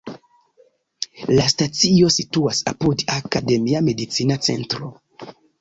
La stacio situas apud "Akademia Medicina Centro".